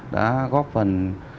đã góp phần